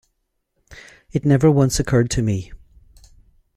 It never once occurred to me.